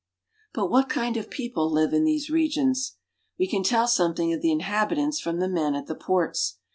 But what kind of peo Kple live in these regions ? We can tell something Kof the inhabitants from phe men at the ports.